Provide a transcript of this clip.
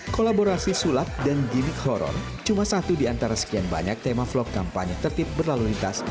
kolaborasi sulap dan gimmick horror cuma satu di antara sekian banyak tema vlog kampanye tertib berlalu lintas